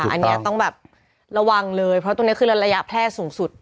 อันนี้ต้องแบบระวังเลยเพราะตรงนี้คือระยะแพร่สูงสุด